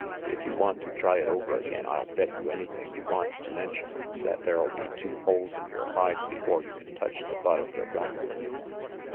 If you want to try it over again I'll bet you anything you want to mention that there'll be two holes in your hide before you can touch the butt of your gun."